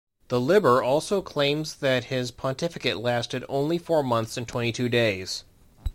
The "Liber" also claims that his pontificate lasted only four months and twenty-two days.